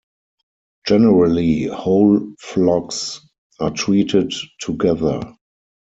Generally, whole flocks are treated together.